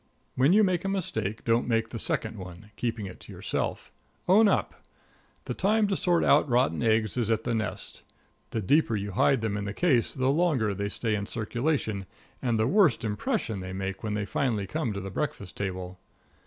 When you make a mistake, don't make the second one keeping it to yourself. Own up. The time to sort out rotten eggs is at the nest. The deeper you hide them in the case the longer they stay in circulation, and the worse impression they make when they finally come to the breakfast table.